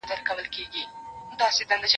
و فقير ته د سپو سلا يوه ده.